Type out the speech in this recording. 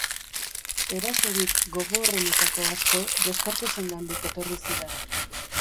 Erasorik gogorrenetako asko Descartesengandik etorri ziren.